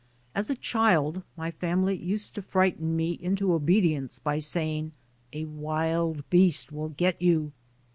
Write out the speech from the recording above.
As a child, my family used to frighten me into obedience by saying, "A wild beast will get you."